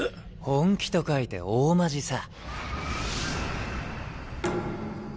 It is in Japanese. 「本気」と書いて「大マジ」さ。